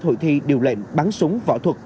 hội thi điều lệnh bắn súng võ thuật